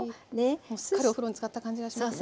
すっかりお風呂につかった感じがしますね。